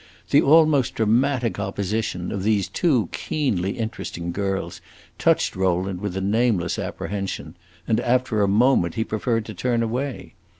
The almost dramatic opposition of these two keenly interesting girls touched Rowland with a nameless apprehension, and after a moment he preferred to turn away.